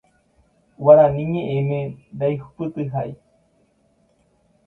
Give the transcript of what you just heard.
Guarani ñe'ẽme ndaihupytyhái